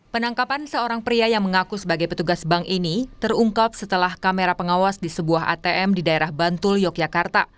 penangkapan seorang pria yang mengaku sebagai petugas bank ini terungkap setelah kamera pengawas di sebuah atm di daerah bantul yogyakarta